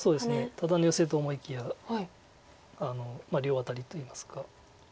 ただのヨセと思いきや両アタリといいますか。